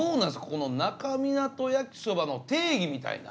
この那珂湊焼きそばの定義みたいな。